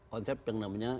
konsep yang namanya